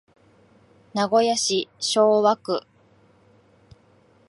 名古屋市昭和区